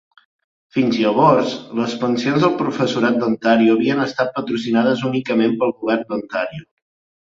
Fins llavors, les pensions del professorat d'Ontario havien estat patrocinades únicament pel govern d'Ontario.